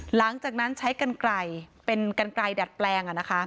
หลังจากนั้นใช้กันไกรเป็นกันไกรดัดแปลงอ่ะนะคะ